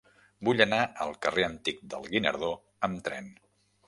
Vull anar al carrer Antic del Guinardó amb tren.